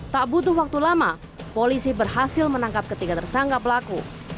tak butuh waktu lama polisi berhasil menangkap ketiga tersangka pelaku